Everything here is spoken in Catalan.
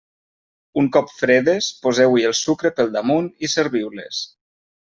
Un cop fredes, poseu-hi el sucre pel damunt i serviu-les.